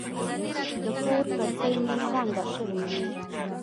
د کور کړکۍ مې رنګه شوې وې.